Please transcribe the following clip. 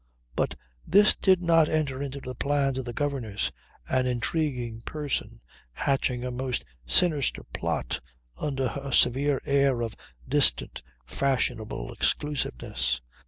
But this did not enter into the plans of the governess, an intriguing person hatching a most sinister plot under her severe air of distant, fashionable exclusiveness.